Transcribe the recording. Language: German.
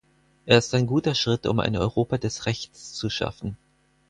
Er ist ein guter Schritt, um ein Europa des Rechts zu schaffen.